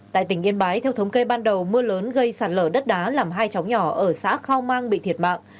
tại tỉnh yên bái theo thống kê ban đầu mưa lớn gây sạt lở đất đá làm hai chóng nhỏ ở xã khao mang bị thiệt mạng